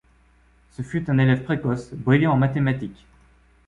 Ce fut un élève précoce, brillant en mathématiques.